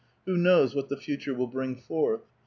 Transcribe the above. Who knows what the future will bring forth?